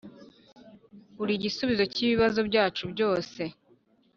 uri igisubizo cyibibazo byacu byose.